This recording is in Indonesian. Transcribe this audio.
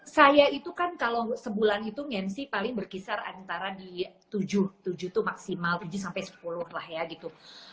saya itu kan kalau sebulan itu ngensy paling berkisar antara di tujuh tujuh itu maksimal tujuh sampai sepuluh lah ya gitu